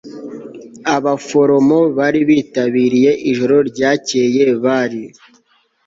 abaforomo bari bitabiriye ijoro ryakeye bari